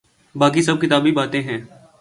باقی سب کتابی باتیں ہیں۔